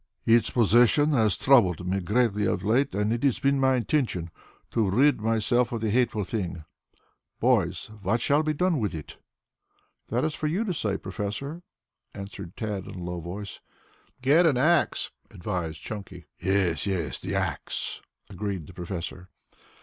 Its possession has troubled me greatly of late and it has been my intention to rid myself of the hateful thing. Boys, what shall be done with it?" "That is for you to say, Professor," answered Tad in a low voice. "Get an axe," advised Chunky. "Yes, yes, the axe," agreed the professor.